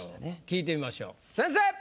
聞いてみましょう先生！